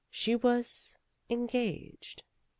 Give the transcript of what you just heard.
She was engaged.